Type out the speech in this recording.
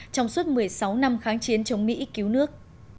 trong suốt một mươi sáu năm kháng chiến chống mỹ cứu nước